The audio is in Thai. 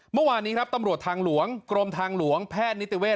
เมื่อวานนี้ครับตำรวจทางหลวงกรมทางหลวงแพทย์นิติเวท